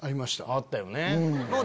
あったよね。